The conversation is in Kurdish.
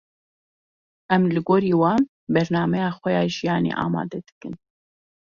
Em li gorî wan, bernameya xwe ya jiyanê amade dikin.